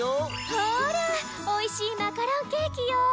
ほらおいしい魔カロンケーキよ。